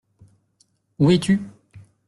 Où es-tu ?